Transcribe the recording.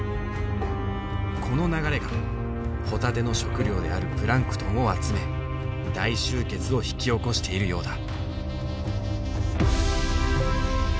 この流れがホタテの食料であるプランクトンを集め大集結を引き起こしているようだ。